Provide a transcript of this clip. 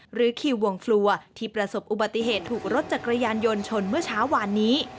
หรือคิววงฟลัวที่ประสบอุบัติเหตุถูกรถจักรยานยนต์ชนเมื่อเช้าวานนี้